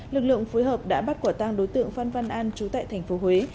lực lượng phối hợp đã bắt quả tang đối tượng phan văn an trú tại tp huế